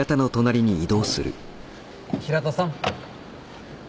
平田さん。